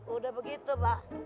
udah begitu mbak